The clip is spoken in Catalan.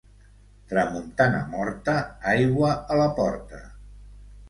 Tramuntana morta, aigua a la porta.